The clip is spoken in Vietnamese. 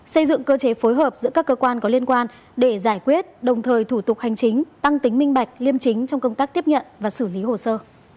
xây dựng cơ chế phối hợp giữa các cơ quan có liên quan để giải quyết đồng thời thủ tục hành chính tăng tính minh bạch liêm chính trong công tác tiếp nhận và xử lý hồ sơ